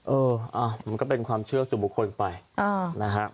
เออมันก็เป็นความเชื่อสู่บุคคลไปนะฮะ